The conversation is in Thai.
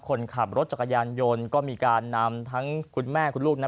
คนขับรถจักรยานยนต์ก็มีการนำทั้งคุณแม่คุณลูกนั้น